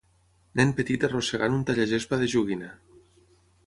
Nen petit arrossegant un tallagespa de joguina.